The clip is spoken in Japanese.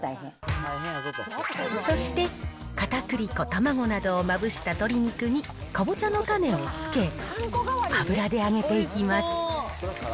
そして、かたくり粉、卵などをまぶした鶏肉にかぼちゃの種を付け、油で揚げていきます。